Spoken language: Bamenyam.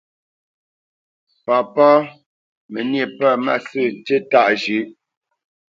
Papá: Mə níe pə̂ mâsə̂ tíí tâʼ zhʉ̌ʼ.